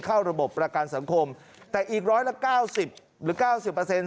เข้าระบบประกันสังคมแต่อีกร้อยละเก้าสิบหรือเก้าสิบเปอร์เซ็นต